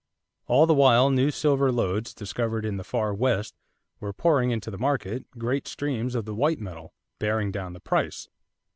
All the while, new silver lodes, discovered in the Far West, were pouring into the market great streams of the white metal, bearing down the price.